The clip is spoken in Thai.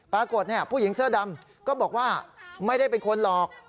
ปรากฏผู้หญิงเสื้อดำก็บอกว่าไม่ได้เป็นคนหลอก